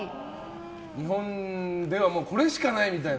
日本ではこれしかないみたいな。